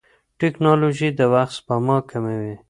ټیکنالوژي د وخت سپما کوي.